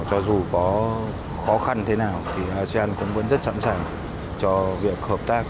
cho dù có khó khăn thế nào thì asean cũng vẫn rất sẵn sàng cho việc hợp tác